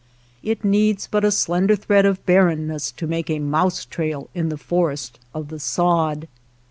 It needs but a slender thread of barrenness to make a mouse trail in the forest of the sod.